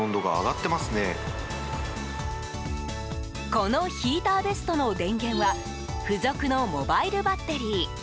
このヒーターベストの電源は付属のモバイルバッテリー。